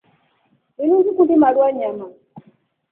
Linu ngikundi maru a nyama.